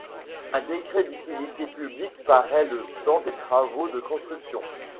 Un décret d'utilité publique paraît le pendant les travaux de construction.